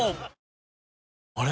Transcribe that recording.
あれ？